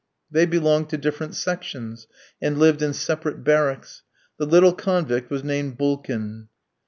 They belonged to different sections, and lived in separate barracks. The little convict was named Bulkin.